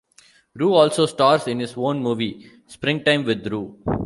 Roo also stars in his own movie, "Springtime with Roo".